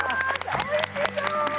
おいしそう！